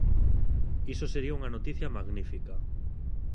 Iso sería unha noticia magnífica.